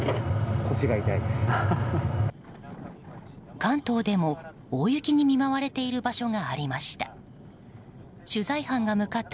関東でも大雪に見舞われている場所がありました。